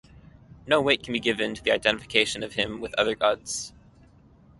No weight can be given to the identification of him with other gods.